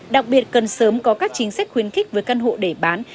đặc biệt cần sớm có các chính sách khuyến khích với căn hộ để bán